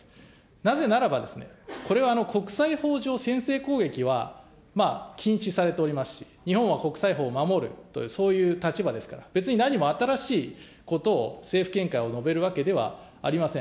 なぜならば、これは国際法上、先制攻撃は禁止されておりますし、日本は国際法を守るという、そういう立場ですから、別に何も新しいことを政府見解を述べるわけではありません。